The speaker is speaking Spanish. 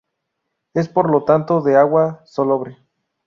Es por lo tanto de agua salobre.